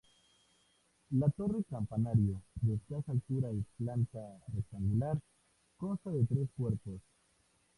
La torre campanario, de escasa altura y planta rectangular, consta de tres cuerpos.